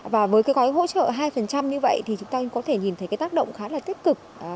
và với cái gói hỗ trợ hai như vậy thì chúng ta có thể nhìn thấy cái tác động khá là tích cực